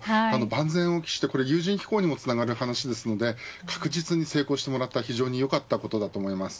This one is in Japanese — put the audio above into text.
万全を期して、これ有人飛行にもつながる話ですので確実に成功してもらって非常によかったことと思います。